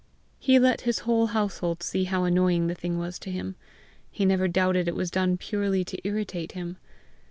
He let his whole household see how annoying the thing was to him. He never doubted it was done purely to irritate him.